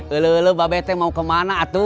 lu lu lu babete mau kemana atuh